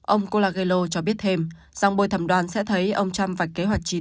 ông colangelo cho biết thêm rằng bồi thẩm đoàn sẽ thấy ông trump phải kế hoạch chi tiết